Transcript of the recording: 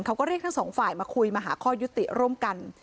เขาก็เรียกทั้งสองฝ่ายมาคุยมาหาข้อยุติร่วมกัน